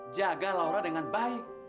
jaga laura dengan baik